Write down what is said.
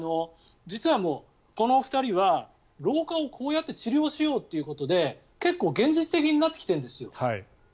実はもう、この２人は老化をこうやって治療しようっていうことで結構、現実的になってきているんです。